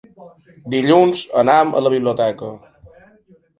Dilluns anem a la biblioteca.